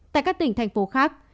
tại các tỉnh thành phố khác